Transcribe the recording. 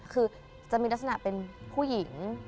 คือจะมีลักษณะเป็นผู้หญิง